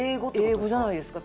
英語じゃないですか？